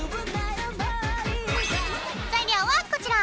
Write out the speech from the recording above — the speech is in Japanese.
材料はこちら。